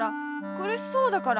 くるしそうだから。